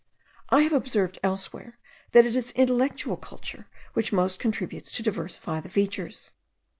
I have observed elsewhere, that it is intellectual culture which most contributes to diversify the features.